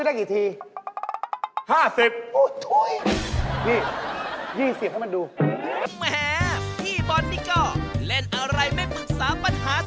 วิทย์พื้นฮะ